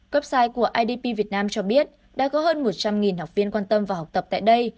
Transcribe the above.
website của idp việt nam cho biết đã có hơn một trăm linh học viên quan tâm và học tập tại đây